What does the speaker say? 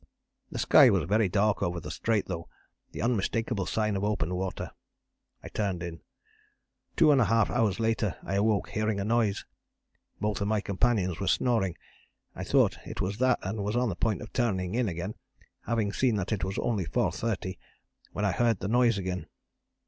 The sky was very dark over the Strait though, the unmistakable sign of open water. I turned in. Two and a half hours later I awoke, hearing a noise. Both my companions were snoring, I thought it was that and was on the point of turning in again having seen that it was only 4.30, when I heard the noise again.